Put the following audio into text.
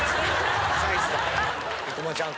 サイズが。